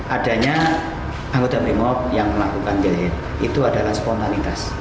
adanya anggota brimop yang melakukan jahit itu adalah spontanitas